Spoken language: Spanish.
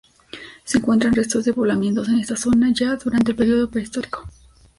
Se encuentran restos de poblamientos en esta zona ya durante el periodo prehistórico.